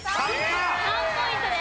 ３ポイントです。